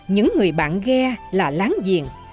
những người bạn ghe là láng giềng